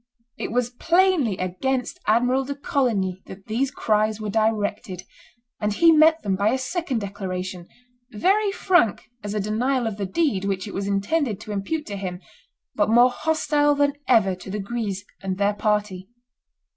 It was plainly against Admiral de Coligny that these cries were directed; and he met them by a second declaration, very frank as a denial of the deed which it was intended to impute to him, but more hostile than ever to the Guises and their party.